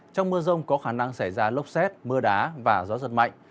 trong mưa rông có khả năng xảy ra lốc xét mưa đá và gió giật mạnh